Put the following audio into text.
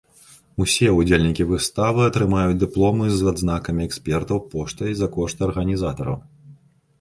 Усе ўдзельнікі выставы атрымаюць дыпломы з адзнакамі экспертаў поштай за кошт арганізатараў.